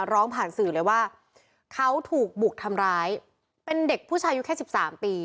ร้องผ่านสื่อเลยว่าเขาถูกบุกทำร้ายเป็นเด็กผู้ชายอายุแค่สิบสามปี